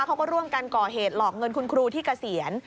เขาก็ร่วมกันก่อเหตุหลอกเงินคุณครูที่เกษียณ